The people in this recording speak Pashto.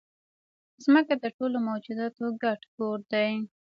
مځکه د ټولو موجوداتو ګډ کور دی.